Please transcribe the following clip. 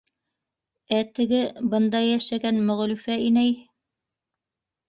- Ә теге... бында йәшәгән Мөғлифә инәй...